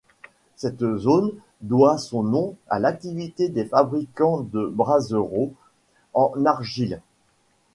Cette zone doit son nom à l'activité des fabricants de braseros en argile.